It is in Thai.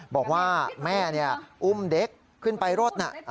บอกว่าแม่อุ้มเด็กขึ้นไปรถน่ะ